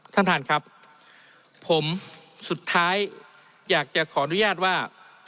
ท่านท่านครับผมสุดท้ายอยากจะขออนุญาตว่า